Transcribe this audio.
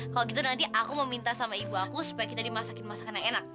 kalo gitu nanti aku mau minta sama ibu aku supaya kita dimasakin masakan yang enak ya